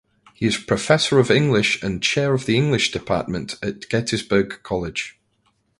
He is Professor of English and Chair of the English Department at Gettysburg College.